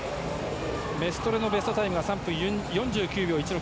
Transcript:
メストレのベストタイムが３分４９秒１６。